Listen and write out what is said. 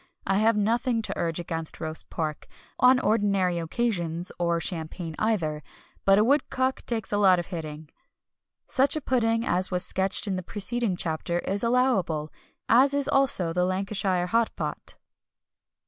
I have nothing to urge against roast pork, on ordinary occasions, or champagne either; but a woodcock takes a lot of hitting. Such a pudding as was sketched in the preceding chapter is allowable, as is also the Lancashire Hot Pot.